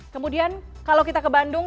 kemudian kalau kita ke bandung